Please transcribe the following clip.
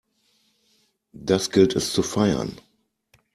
Das gilt es zu feiern!